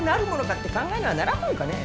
って考えにはならんもんかね。